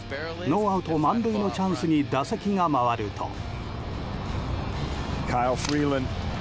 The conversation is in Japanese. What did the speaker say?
ノーアウト満塁のチャンスに打席が回ると。